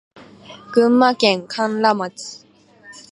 群馬県甘楽町